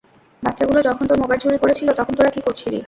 বাচ্চাগুলো যখন তোর মোবাইল চুরি করেছিল তখন তোরা কী করছিলি?